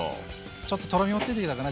ちょっととろみもついてきたかな。